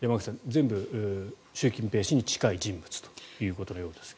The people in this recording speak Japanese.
全部、習近平氏に近い人物ということのようです。